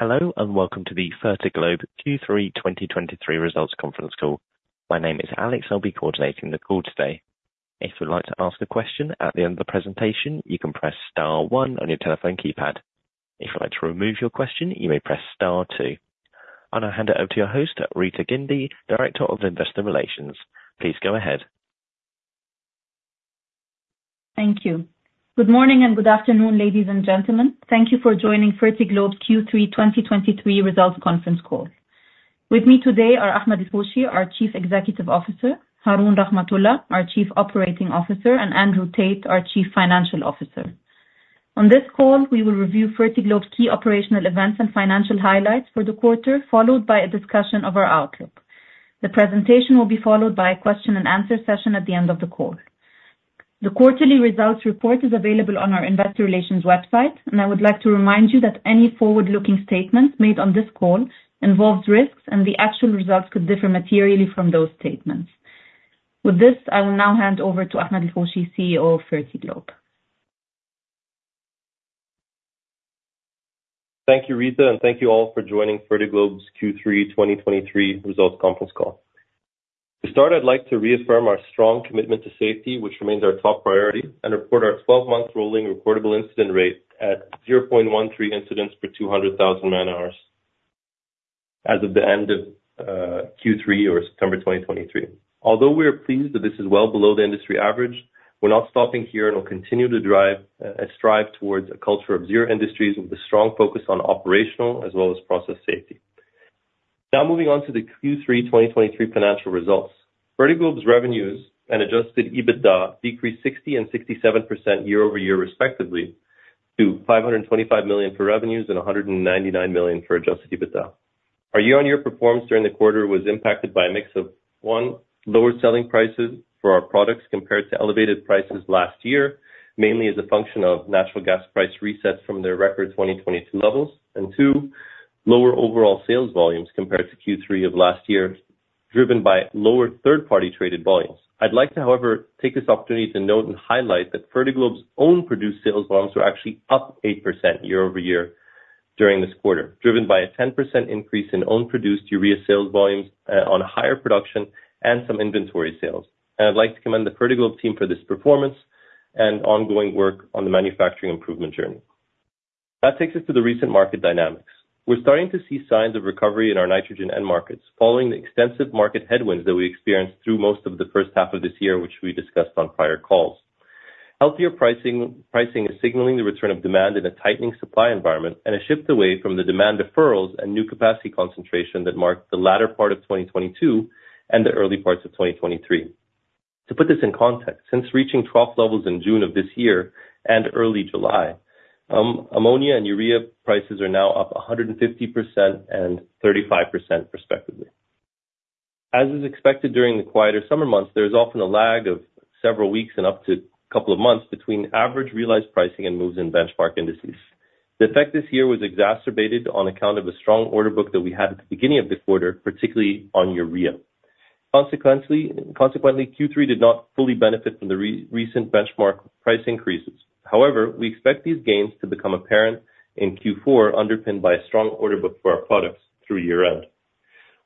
Hello, and welcome to the Fertiglobe Q3 2023 results conference call. My name is Alex, I'll be coordinating the call today. If you'd like to ask a question at the end of the presentation, you can press star one on your telephone keypad. If you'd like to remove your question, you may press star two. I'll now hand it over to your host, Rita Guindy, Director of Investor Relations. Please go ahead. Thank you. Good morning and good afternoon, ladies and gentlemen. Thank you for joining Fertiglobe's Q3 2023 results conference call. With me today are Ahmed El-Hoshy, our Chief Executive Officer, Haroon Rahmathulla, our Chief Operating Officer, and Andrew Tait, our Chief Financial Officer. On this call, we will review Fertiglobe's key operational events and financial highlights for the quarter, followed by a discussion of our outlook. The presentation will be followed by a question and answer session at the end of the call. The quarterly results report is available on our investor relations website, and I would like to remind you that any forward-looking statements made on this call involves risks, and the actual results could differ materially from those statements. With this, I will now hand over to Ahmed El-Hoshy, CEO of Fertiglobe. Thank you, Rita, and thank you all for joining Fertiglobe's Q3 2023 results conference call. To start, I'd like to reaffirm our strong commitment to safety, which remains our top priority, and report our 12-month rolling reportable incident rate at 0.13 incidents per 200,000 man-hours as of the end of Q3 or September 2023. Although we are pleased that this is well below the industry average, we're not stopping here and will continue to drive and strive towards a culture of zero injuries with a strong focus on operational as well as process safety. Now moving on to the Q3 2023 financial results. Fertiglobe's revenues and Adjusted EBITDA decreased 60% and 67% year-over-year, respectively, to $525 million for revenues and $199 million for Adjusted EBITDA. Our year-on-year performance during the quarter was impacted by a mix of, one, lower selling prices for our products compared to elevated prices last year, mainly as a function of natural gas price resets from their record 2022 levels. And two, lower overall sales volumes compared to Q3 of last year, driven by lower third-party traded volumes. I'd like to, however, take this opportunity to note and highlight that Fertiglobe's own produced sales volumes were actually up 8% year-over-year during this quarter, driven by a 10% increase in own-produced urea sales volumes, on higher production and some inventory sales. And I'd like to commend the Fertiglobe team for this performance and ongoing work on the manufacturing improvement journey. That takes us to the recent market dynamics. We're starting to see signs of recovery in our nitrogen end markets, following the extensive market headwinds that we experienced through most of the first half of this year, which we discussed on prior calls. Healthier pricing, pricing is signaling the return of demand in a tightening supply environment and a shift away from the demand deferrals and new capacity concentration that marked the latter part of 2022 and the early parts of 2023. To put this in context, since reaching trough levels in June of this year and early July, ammonia and urea prices are now up 150% and 35%, respectively. As is expected during the quieter summer months, there is often a lag of several weeks and up to a couple of months between average realized pricing and moves in benchmark indices. The effect this year was exacerbated on account of a strong order book that we had at the beginning of this quarter, particularly on urea. Consequently, Q3 did not fully benefit from the recent benchmark price increases. However, we expect these gains to become apparent in Q4, underpinned by a strong order book for our products through year-end.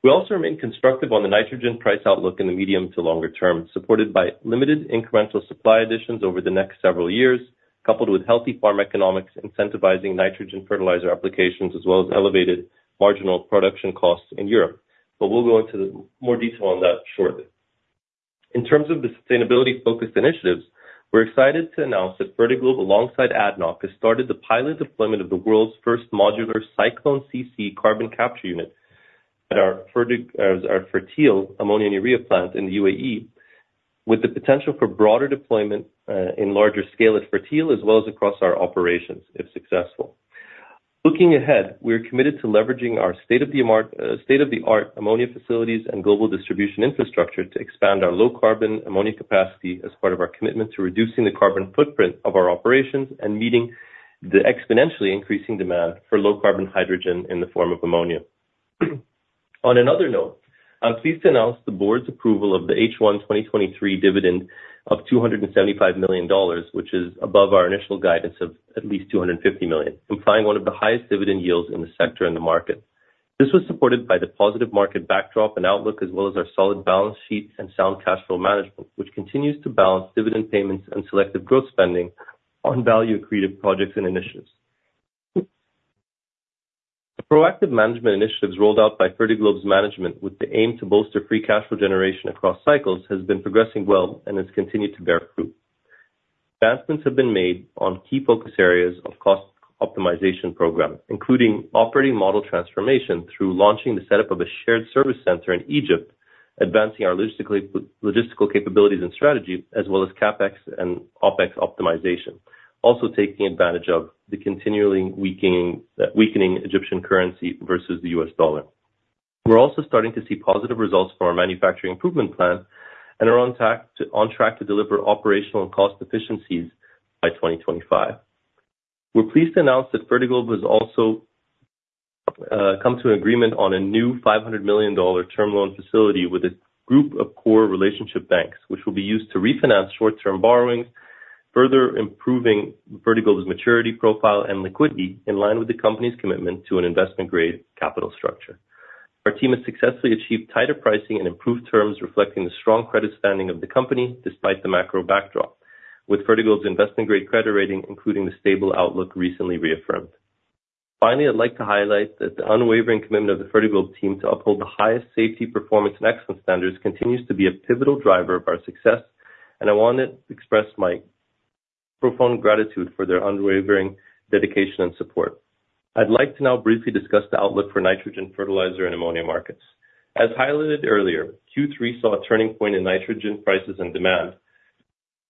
We also remain constructive on the nitrogen price outlook in the medium to longer term, supported by limited incremental supply additions over the next several years, coupled with healthy farm economics, incentivizing nitrogen fertilizer applications, as well as elevated marginal production costs in Europe. But we'll go into more detail on that shortly. In terms of the sustainability-focused initiatives, we're excited to announce that Fertiglobe, alongside ADNOC, has started the pilot deployment of the world's first modular CycloneCC carbon capture unit at our Fertil ammonia and urea plant in the UAE, with the potential for broader deployment in larger scale at Fertil, as well as across our operations, if successful. Looking ahead, we're committed to leveraging our state-of-the-art ammonia facilities and global distribution infrastructure to expand our low-carbon ammonia capacity as part of our commitment to reducing the carbon footprint of our operations and meeting the exponentially increasing demand for low-carbon hydrogen in the form of ammonia. On another note, I'm pleased to announce the board's approval of the H1 2023 dividend of $275 million, which is above our initial guidance of at least $250 million, implying one of the highest dividend yields in the sector and the market. This was supported by the positive market backdrop and outlook, as well as our solid balance sheet and sound cash flow management, which continues to balance dividend payments and selective growth spending on value-accretive projects and initiatives. The proactive management initiatives rolled out by Fertiglobe's management with the aim to bolster free cash flow generation across cycles, has been progressing well and has continued to bear fruit. Advancements have been made on key focus areas of cost optimization program, including operating model transformation through launching the setup of a shared service center in Egypt, advancing our logistical capabilities and strategy, as well as CapEx and OpEx optimization. Also, taking advantage of the continually weakening Egyptian currency versus the U.S. dollar. We're also starting to see positive results from our manufacturing improvement plan and are on track to deliver operational and cost efficiencies by 2025. We're pleased to announce that Fertiglobe has also come to an agreement on a new $500 million term loan facility with a group of core relationship banks, which will be used to refinance short-term borrowings, further improving Fertiglobe's maturity profile and liquidity, in line with the company's commitment to an investment-grade capital structure. Our team has successfully achieved tighter pricing and improved terms, reflecting the strong credit standing of the company despite the macro backdrop, with Fertiglobe's investment-grade credit rating, including the stable outlook, recently reaffirmed. Finally, I'd like to highlight that the unwavering commitment of the Fertiglobe team to uphold the highest safety, performance, and excellence standards continues to be a pivotal driver of our success, and I want to express my profound gratitude for their unwavering dedication and support. I'd like to now briefly discuss the outlook for nitrogen, fertilizer, and ammonia markets. As highlighted earlier, Q3 saw a turning point in nitrogen prices and demand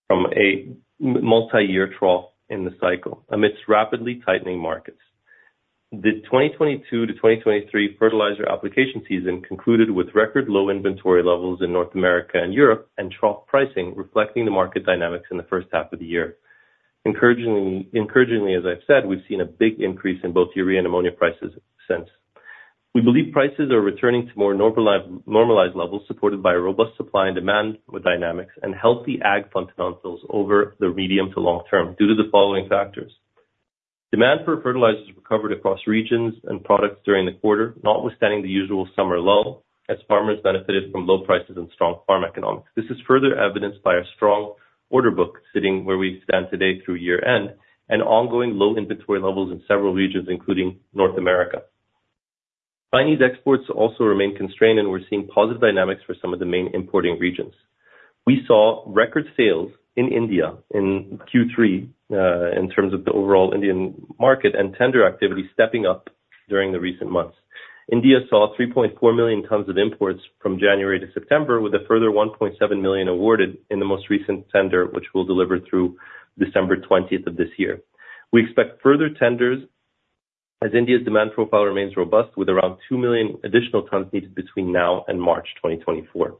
from a multi-year trough in the cycle amidst rapidly tightening markets. The 2022-2023 fertilizer application season concluded with record low inventory levels in North America and Europe, and trough pricing reflecting the market dynamics in the first half of the year. Encouragingly, as I've said, we've seen a big increase in both urea and ammonia prices since. We believe prices are returning to more normalize, normalized levels, supported by robust supply and demand with dynamics and healthy ag fundamentals over the medium to long term, due to the following factors. Demand for fertilizers recovered across regions and products during the quarter, notwithstanding the usual summer lull, as farmers benefited from low prices and strong farm economics. This is further evidenced by a strong order book sitting where we stand today through year-end, and ongoing low inventory levels in several regions, including North America. Chinese exports also remain constrained, and we're seeing positive dynamics for some of the main importing regions. We saw record sales in India in Q3 in terms of the overall Indian market and tender activity stepping up during the recent months. India saw 3.4 million tons of imports from January to September, with a further 1.7 million awarded in the most recent tender, which will deliver through December twentieth of this year. We expect further tenders as India's demand profile remains robust, with around 2 million additional tons needed between now and March 2024.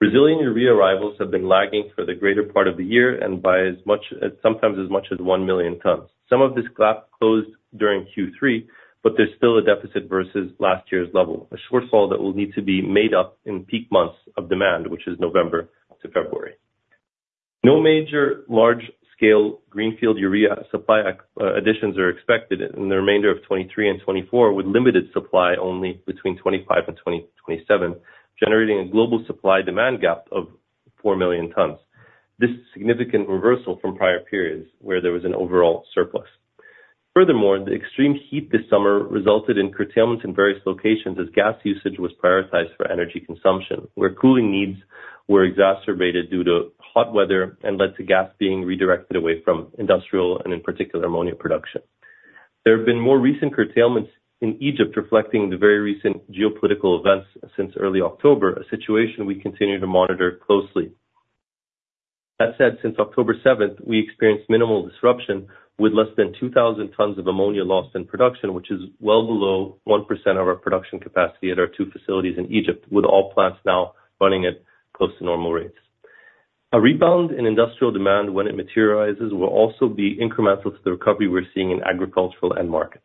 Brazilian urea arrivals have been lagging for the greater part of the year, and by as much as, sometimes as much as 1 million tons. Some of this gap closed during Q3, but there's still a deficit versus last year's level, a shortfall that will need to be made up in peak months of demand, which is November to February. No major large-scale greenfield urea supply additions are expected in the remainder of 2023 and 2024, with limited supply only between 2025 and 2027, generating a global supply-demand gap of 4 million tons. This is a significant reversal from prior periods where there was an overall surplus. Furthermore, the extreme heat this summer resulted in curtailments in various locations as gas usage was prioritized for energy consumption, where cooling needs were exacerbated due to hot weather and led to gas being redirected away from industrial and in particular, ammonia production. There have been more recent curtailments in Egypt, reflecting the very recent geopolitical events since early October, a situation we continue to monitor closely. That said, since October seventh, we experienced minimal disruption with less than 2,000 tons of ammonia lost in production, which is well below 1% of our production capacity at our two facilities in Egypt, with all plants now running at close to normal rates. A rebound in industrial demand, when it materializes, will also be incremental to the recovery we're seeing in agricultural end markets.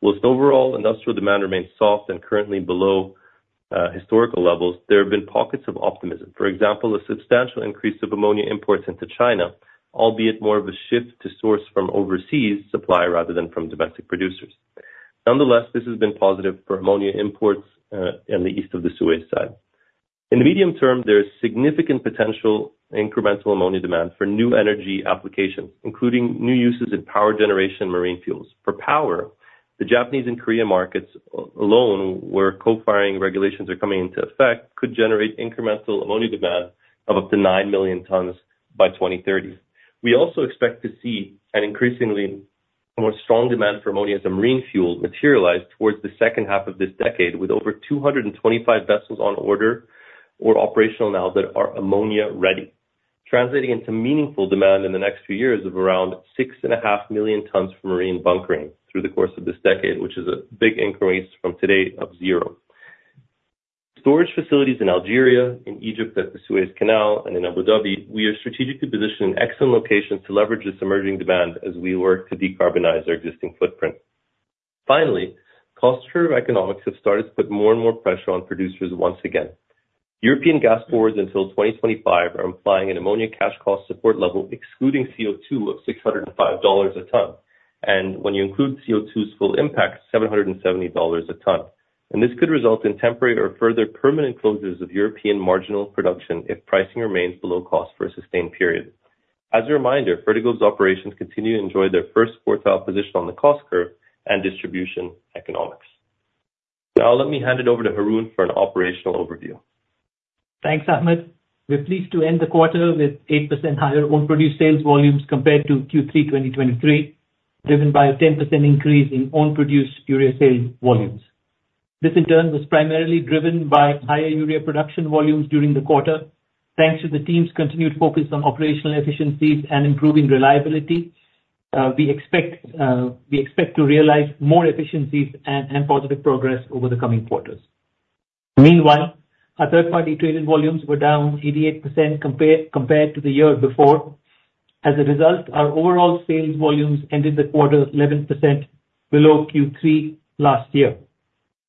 While overall, industrial demand remains soft and currently below historical levels, there have been pockets of optimism. For example, a substantial increase of ammonia imports into China, albeit more of a shift to source from overseas supply rather than from domestic producers. Nonetheless, this has been positive for ammonia imports in the East of the Suez side. In the medium term, there is significant potential incremental ammonia demand for new energy applications, including new uses in power generation and marine fuels. For power, the Japanese and Korean markets alone, where co-firing regulations are coming into effect, could generate incremental ammonia demand of up to 9 million tons by 2030. We also expect to see an increasingly more strong demand for ammonia as a marine fuel materialize towards the second half of this decade, with over 225 vessels on order or operational now that are ammonia-ready, translating into meaningful demand in the next few years of around 6.5 million tons for marine bunkering through the course of this decade, which is a big increase from today of 0. Storage facilities in Algeria, in Egypt, at the Suez Canal and in Abu Dhabi, we are strategically positioned in excellent locations to leverage this emerging demand as we work to decarbonize our existing footprint. Finally, cost curve economics have started to put more and more pressure on producers once again. European gas forwards until 2025 are implying an ammonia cash cost support level, excluding CO2, of $605 a ton, and when you include CO2's full impact, $770 a ton. This could result in temporary or further permanent closures of European marginal production if pricing remains below cost for a sustained period. As a reminder, Fertiglobe's operations continue to enjoy their first quartile position on the cost curve and distribution economics. Now let me hand it over to Haroon for an operational overview. Thanks, Ahmed. We're pleased to end the quarter with 8% higher own-produced sales volumes compared to Q3 2023, driven by a 10% increase in own-produced urea sales volumes. This, in turn, was primarily driven by higher urea production volumes during the quarter. Thanks to the team's continued focus on operational efficiencies and improving reliability, we expect to realize more efficiencies and positive progress over the coming quarters. Meanwhile, our third-party traded volumes were down 88% compared to the year before. As a result, our overall sales volumes ended the quarter 11% below Q3 last year.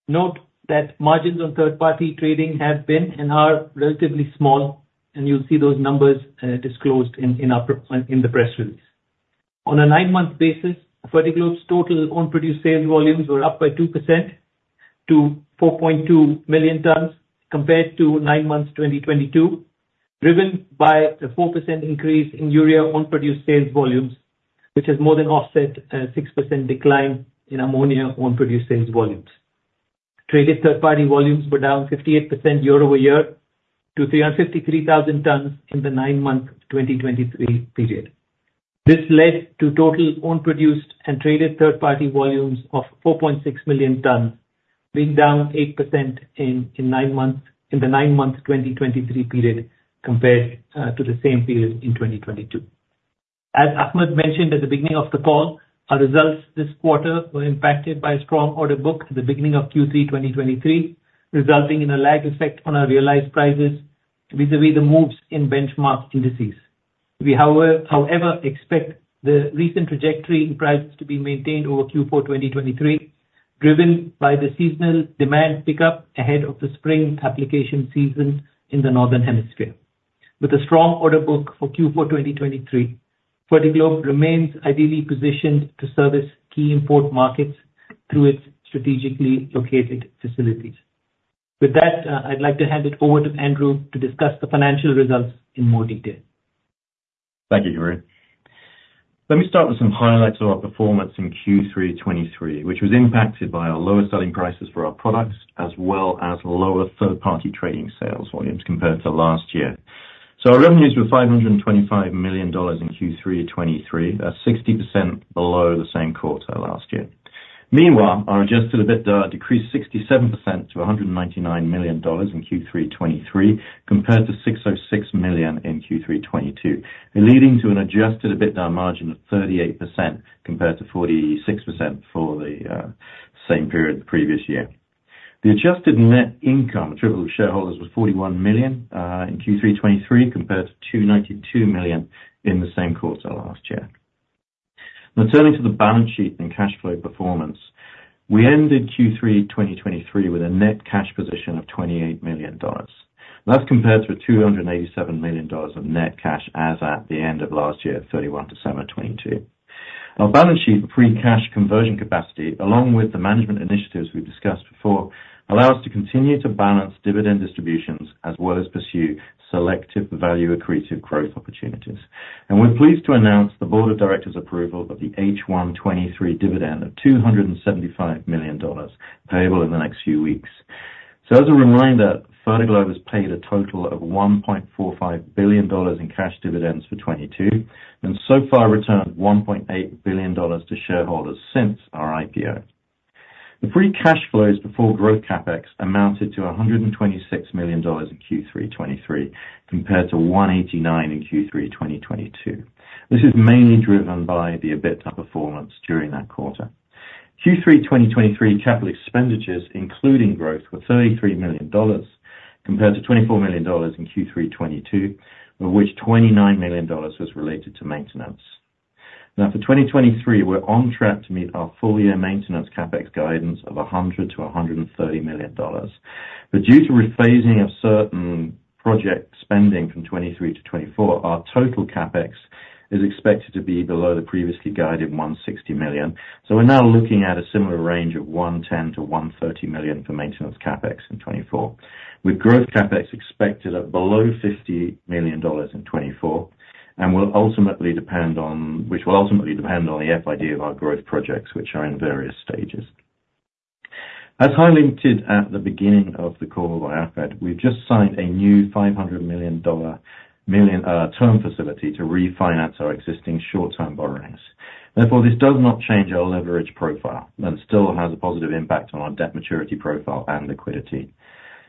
Note that margins on third-party trading have been and are relatively small, and you'll see those numbers disclosed in our press release. On a nine-month basis, Fertiglobe's total own produced sales volumes were up by 2% to 4.2 million tons, compared to nine months, 2022, driven by a 4% increase in urea own produced sales volumes, which has more than offset a 6% decline in ammonia own produced sales volumes. Traded third-party volumes were down 58% year-over-year to 353,000 tons in the nine-month 2023 period. This led to total own produced and traded third-party volumes of 4.6 million tons, being down 8% in the nine-month 2023 period, compared to the same period in 2022. As Ahmed mentioned at the beginning of the call, our results this quarter were impacted by a strong order book at the beginning of Q3 2023, resulting in a lag effect on our realized prices vis-à-vis the moves in benchmark indices. We, however, expect the recent trajectory in prices to be maintained over Q4 2023, driven by the seasonal demand pickup ahead of the spring application season in the Northern Hemisphere. With a strong order book for Q4 2023, Fertiglobe remains ideally positioned to service key import markets through its strategically located facilities. With that, I'd like to hand it over to Andrew to discuss the financial results in more detail. Thank you, Haroon. Let me start with some highlights of our performance in Q3 2023, which was impacted by our lower selling prices for our products, as well as lower third-party trading sales volumes compared to last year. So our revenues were $525 million in Q3 2023. That's 60% below the same quarter last year. Meanwhile, our Adjusted EBITDA decreased 67% to $199 million in Q3 2023, compared to $606 million in Q3 2022, leading to an Adjusted EBITDA margin of 38%, compared to 46% for the same period the previous year. The adjusted net income attributable to shareholders was $41 million in Q3 2023, compared to $292 million in the same quarter last year. Now, turning to the balance sheet and cash flow performance. We ended Q3 2023 with a net cash position of $28 million. That's compared to $287 million of net cash as at the end of last year, December 31, 2022. Our balance sheet pre-cash conversion capacity, along with the management initiatives we've discussed before, allow us to continue to balance dividend distributions as well as pursue selective value accretive growth opportunities. We're pleased to announce the board of directors approval of the H1 2023 dividend of $275 million, payable in the next few weeks. As a reminder, Fertiglobe has paid a total of $1.45 billion in cash dividends for 2022, and so far returned $1.8 billion to shareholders since our IPO. The free cash flows before growth CapEx amounted to $126 million in Q3 2023, compared to $189 million in Q3 2022. This is mainly driven by the EBITDA performance during that quarter. Q3 2023 capital expenditures, including growth, were $33 million, compared to $24 million in Q3 2022, of which $29 million was related to maintenance. Now, for 2023, we're on track to meet our full year maintenance CapEx guidance of $100 million-$130 million. But due to rephasing of certain project spending from 2023 to 2024, our total CapEx is expected to be below the previously guided $160 million. So we're now looking at a similar range of $110 million-$130 million for maintenance CapEx in 2024, with growth CapEx expected at below $50 million in 2024, which will ultimately depend on the FID of our growth projects, which are in various stages. As highlighted at the beginning of the call by Ahmed, we've just signed a new $500 million term facility to refinance our existing short-term borrowings. Therefore, this does not change our leverage profile and still has a positive impact on our debt maturity profile and liquidity.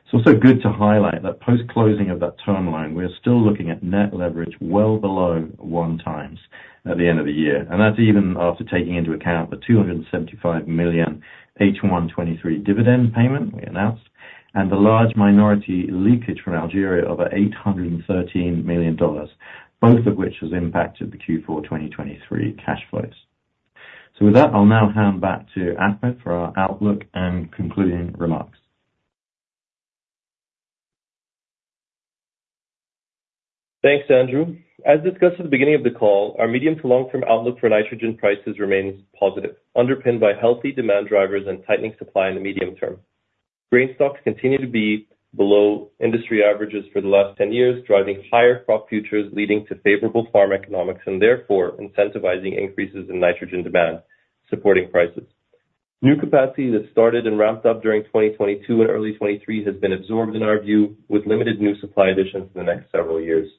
It's also good to highlight that post-closing of that term loan, we are still looking at net leverage well below 1x at the end of the year, and that's even after taking into account the $275 million FY 2023 dividend payment we announced, and the large minority leakage from Algeria of $813 million, both of which has impacted the Q4 2023 cash flows. So with that, I'll now hand back to Ahmed for our outlook and concluding remarks. Thanks, Andrew. As discussed at the beginning of the call, our medium- to long-term outlook for nitrogen prices remains positive, underpinned by healthy demand drivers and tightening supply in the medium term. Grain stocks continue to be below industry averages for the last 10 years, driving higher crop futures, leading to favorable farm economics and therefore incentivizing increases in nitrogen demand, supporting prices. New capacity that started and ramped up during 2022 and early 2023 has been absorbed, in our view, with limited new supply additions in the next several years.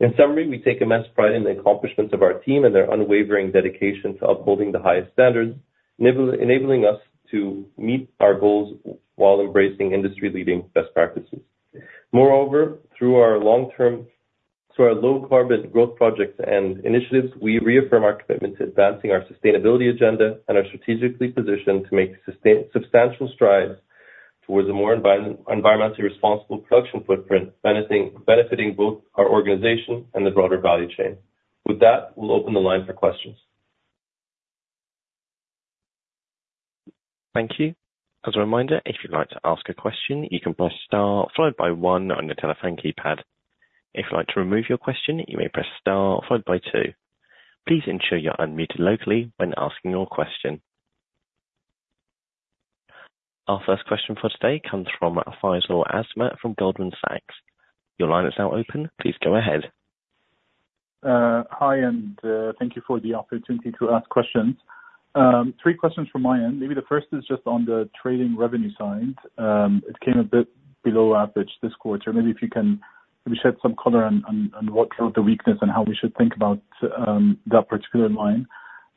In summary, we take immense pride in the accomplishments of our team and their unwavering dedication to upholding the highest standards, enabling us to meet our goals while embracing industry-leading best practices. Moreover, through our long-term, through our low carbon growth projects and initiatives, we reaffirm our commitment to advancing our sustainability agenda and are strategically positioned to make substantial strides towards a more environmentally responsible production footprint, benefiting both our organization and the broader value chain. With that, we'll open the line for questions. Thank you. As a reminder, if you'd like to ask a question, you can press star followed by one on your telephone keypad. If you'd like to remove your question, you may press star followed by two. Please ensure you're unmuted locally when asking your question. Our first question for today comes from Faisal Al-Azmeh from Goldman Sachs. Your line is now open. Please go ahead. Hi, and thank you for the opportunity to ask questions. Three questions from my end. Maybe the first is just on the trading revenue side. It came a bit below average this quarter. Maybe if you can shed some color on what drove the weakness and how we should think about that particular line.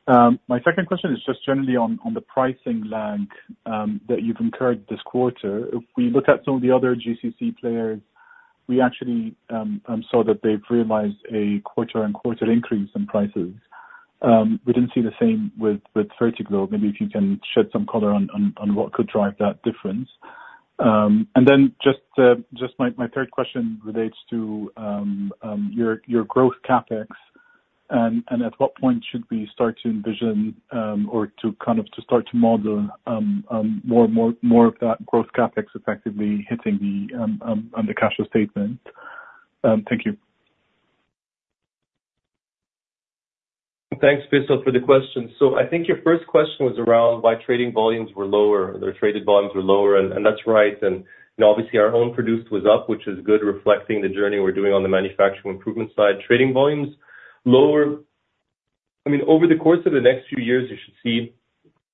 My second question is just generally on the pricing lag that you've incurred this quarter. If we look at some of the other GCC players, we actually saw that they've realized a quarter-over-quarter increase in prices. We didn't see the same with Fertiglobe. Maybe if you can shed some color on what could drive that difference. And then just my third question relates to your growth CapEx, and at what point should we start to envision or to kind of start to model more of that growth CapEx effectively hitting on the cash flow statement? Thank you. Thanks, Faisal, for the question. So I think your first question was around why trading volumes were lower, or the traded volumes were lower, and that's right. You know, obviously our own produced was up, which is good, reflecting the journey we're doing on the manufacturing improvement side. Trading volumes lower. I mean, over the course of the next few years, you should see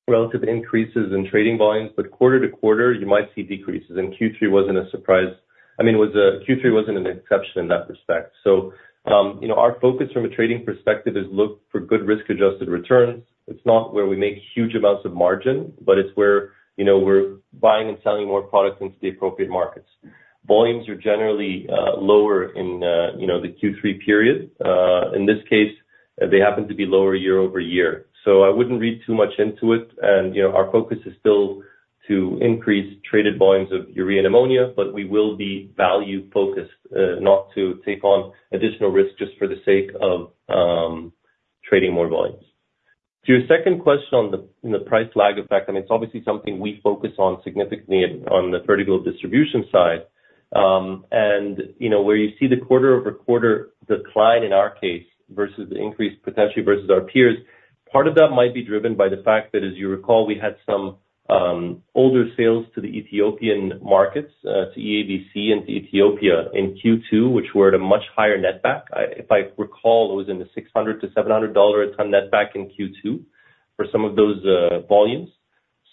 relative increases in trading volumes, but quarter to quarter, you might see decreases, and Q3 wasn't a surprise. I mean, Q3 wasn't an exception in that respect. You know, our focus from a trading perspective is look for good risk-adjusted returns. It's not where we make huge amounts of margin, but it's where, you know, we're buying and selling more products into the appropriate markets. Volumes are generally lower in, you know, the Q3 period. In this case, they happen to be lower year-over-year, so I wouldn't read too much into it. And, you know, our focus is still to increase traded volumes of urea and ammonia, but we will be value focused, not to take on additional risk just for the sake of trading more volumes. To your second question on the price lag effect, I mean, it's obviously something we focus on significantly on the vertical distribution side. And, you know, where you see the quarter-over-quarter decline in our case versus the increase potentially versus our peers, part of that might be driven by the fact that, as you recall, we had some older sales to the Ethiopian markets, to EABC and to Ethiopia in Q2, which were at a much higher netback. If I recall, it was in the $600-$700 a ton netback in Q2 for some of those volumes.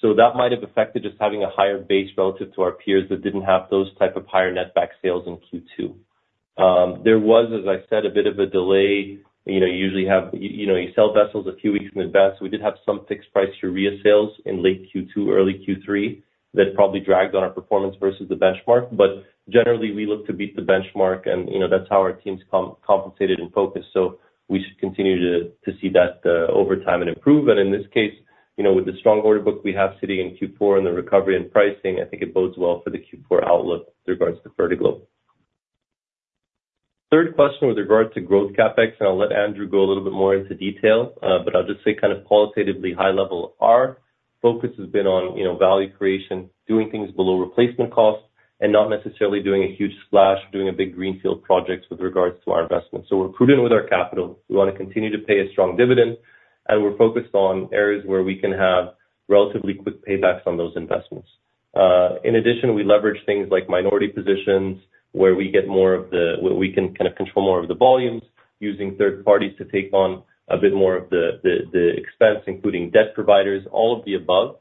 So that might have affected just having a higher base relative to our peers that didn't have those type of higher netback sales in Q2. There was, as I said, a bit of a delay. You know, you usually have... You know, you sell vessels a few weeks in advance. We did have some fixed price urea sales in late Q2, early Q3. That probably dragged on our performance versus the benchmark, but generally, we look to beat the benchmark and, you know, that's how our team's compensated and focused. So we should continue to see that over time and improve. In this case, you know, with the strong order book we have sitting in Q4 and the recovery in pricing, I think it bodes well for the Q4 outlook with regards to Fertiglobe. Third question with regard to growth CapEx, and I'll let Andrew go a little bit more into detail, but I'll just say kind of qualitatively, high level, our focus has been on, you know, value creation, doing things below replacement costs, and not necessarily doing a huge splash, doing a big greenfield project with regards to our investments. We're prudent with our capital. We want to continue to pay a strong dividend, and we're focused on areas where we can have relatively quick paybacks on those investments. In addition, we leverage things like minority positions, where we get more of the-- we can kind of control more of the volumes using third parties to take on a bit more of the expense, including debt providers, all of the above,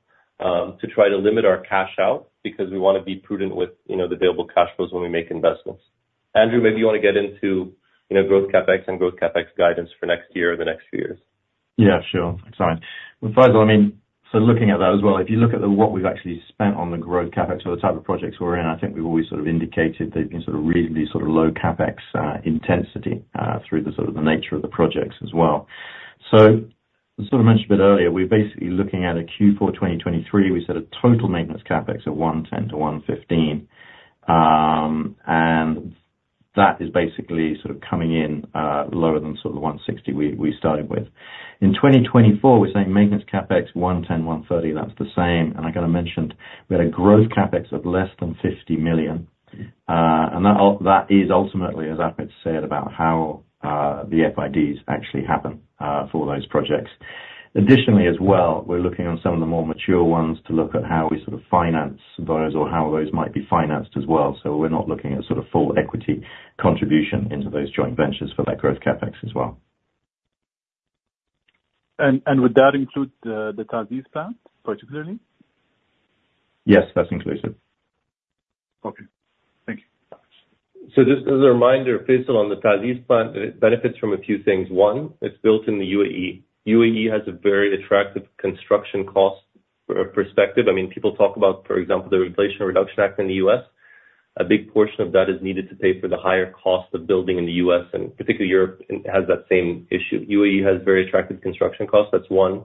to try to limit our cash out, because we want to be prudent with, you know, the available cash flows when we make investments. Andrew, maybe you want to get into, you know, growth CapEx and growth CapEx guidance for next year or the next few years. Yeah, sure. Sorry. Faisal, I mean, so looking at that as well, if you look at the, what we've actually spent on the growth CapEx or the type of projects we're in, I think we've always sort of indicated they've been sort of reasonably, sort of low CapEx intensity, through the sort of the nature of the projects as well. So I sort of mentioned a bit earlier, we're basically looking at a Q4 2023. We set a total maintenance CapEx of $110 million-$115 million. And that is basically sort of coming in, lower than sort of the 160 we started with. In 2024, we're saying maintenance CapEx, $110 million-$130 million. That's the same. And I kind of mentioned we had a growth CapEx of less than $50 million. And that is ultimately, as Ahmed said, about how the FIDs actually happen for those projects. Additionally, as well, we're looking on some of the more mature ones to look at how we sort of finance those or how those might be financed as well. So we're not looking at sort of full equity contribution into those joint ventures for that growth CapEx as well. Would that include the TA'ZIZ plant, particularly? Yes, that's inclusive. Okay. Thank you. So just as a reminder, Faisal, on the TA'ZIZ plant, it benefits from a few things. One, it's built in the UAE. UAE has a very attractive construction cost perspective. I mean, people talk about, for example, the Inflation Reduction Act in the U.S. A big portion of that is needed to pay for the higher cost of building in the U.S., and particularly Europe, and has that same issue. UAE has very attractive construction costs, that's one....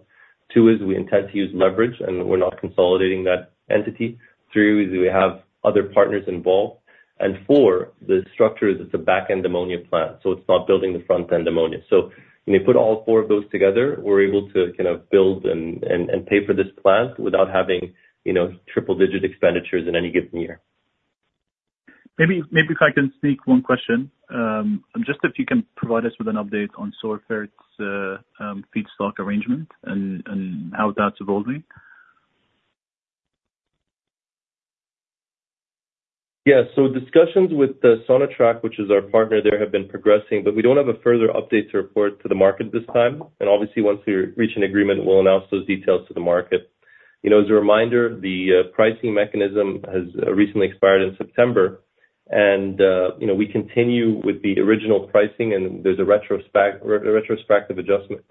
Two is we intend to use leverage, and we're not consolidating that entity. Three is we have other partners involved, and four, the structure is it's a back-end ammonia plant, so it's not building the front-end ammonia. So when you put all four of those together, we're able to kind of build and pay for this plant without having, you know, triple digit expenditures in any given year. Maybe, maybe if I can sneak one question. Just if you can provide us with an update on Sorfert's feedstock arrangement and how that's evolving. Yeah. So discussions with Sonatrach, which is our partner there, have been progressing, but we don't have a further update to report to the market at this time. And obviously, once we reach an agreement, we'll announce those details to the market. You know, as a reminder, the pricing mechanism has recently expired in September, and you know, we continue with the original pricing and there's a retrospective adjustment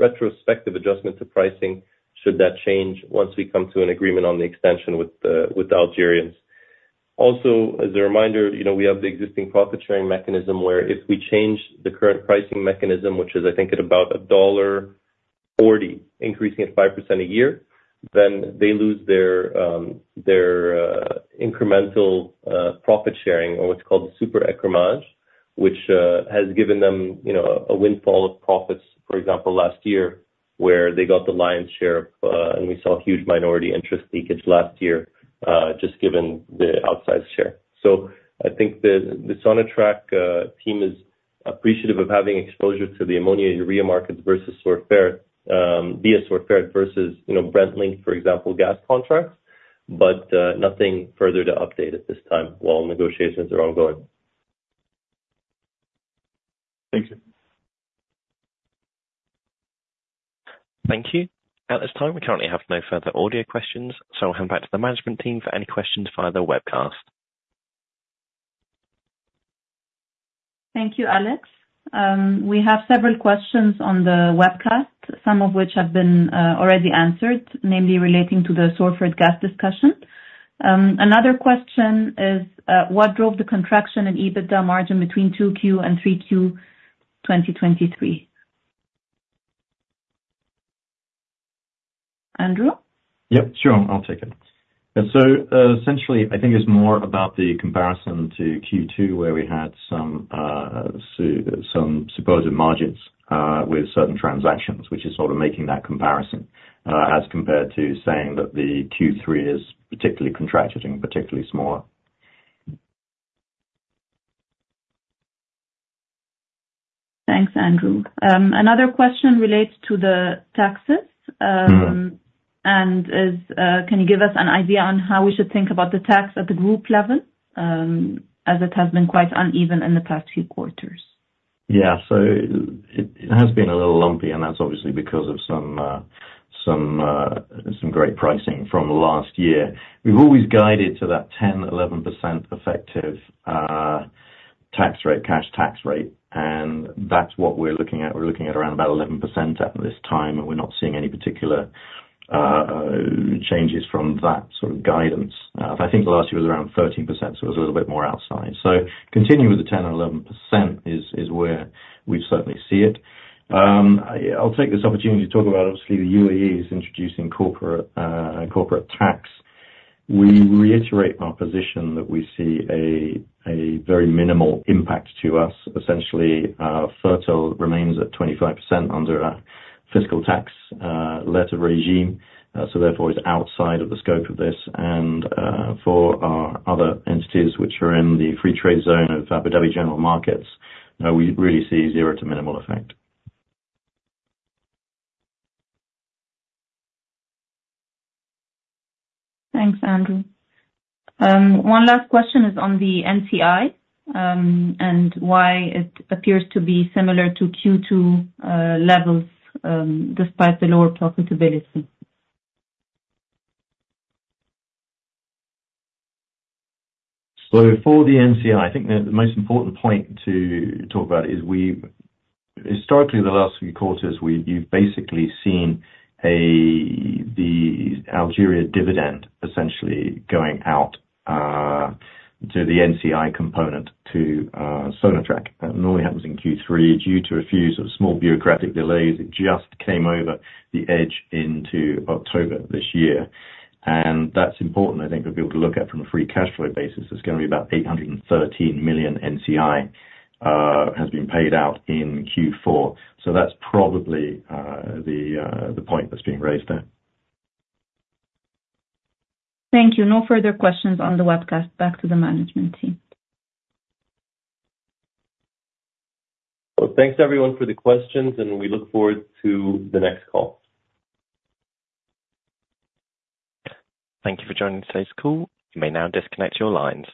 to pricing, should that change once we come to an agreement on the extension with the Algerians. Also, as a reminder, you know, we have the existing profit-sharing mechanism, where if we change the current pricing mechanism, which is, I think, at about $1.40, increasing at 5% a year, then they lose their incremental profit sharing on what's called the Super Écrémage, which has given them, you know, a windfall of profits. For example, last year, where they got the lion's share, and we saw a huge minority interest leakage last year just given the outsized share. So I think the Sonatrach team is appreciative of having exposure to the ammonia and urea markets versus Sorfert via Sorfert versus, you know, Brent-linked, for example, gas contracts, but nothing further to update at this time, while negotiations are ongoing. Thank you. Thank you. At this time, we currently have no further audio questions, so I'll hand back to the management team for any questions via the webcast. Thank you, Alex. We have several questions on the webcast, some of which have been already answered, namely relating to the Sorfert gas discussion. Another question is, what drove the contraction in EBITDA margin between 2Q and 3Q 2023? Andrew? Yep, sure. I'll take it. And so, essentially, I think it's more about the comparison to Q2, where we had some supposed margins with certain transactions, which is sort of making that comparison, as compared to saying that the Q3 is particularly contracted and particularly small. Thanks, Andrew. Another question relates to the taxes, Mm-hmm. Can you give us an idea on how we should think about the tax at the group level, as it has been quite uneven in the past few quarters? Yeah. So it has been a little lumpy, and that's obviously because of some great pricing from last year. We've always guided to that 10%-11% effective tax rate, cash tax rate, and that's what we're looking at. We're looking at around about 11% at this time, and we're not seeing any particular changes from that sort of guidance. I think the last year was around 13%, so it was a little bit more outside. So continuing with the 10% or 11% is where we certainly see it. I'll take this opportunity to talk about, obviously, the UAE is introducing corporate tax. We reiterate our position that we see a very minimal impact to us. Essentially, our Fertiglobe remains at 25% under a fiscal tax letter regime, so therefore it's outside of the scope of this, and for our other entities which are in the free trade zone of Abu Dhabi Global Market, we really see zero to minimal effect. Thanks, Andrew. One last question is on the NCI, and why it appears to be similar to Q2 levels, despite the lower profitability? So for the NCI, I think the most important point to talk about is we've historically, the last few quarters, you've basically seen the Algeria dividend essentially going out to the NCI component to Sonatrach. That normally happens in Q3. Due to a few sort of small bureaucratic delays, it just came over the edge into October this year, and that's important, I think, to be able to look at from a free cash flow basis. It's gonna be about $813 million NCI has been paid out in Q4. So that's probably the point that's being raised there. Thank you. No further questions on the webcast. Back to the management team. Well, thanks everyone for the questions, and we look forward to the next call. Thank you for joining today's call. You may now disconnect your lines.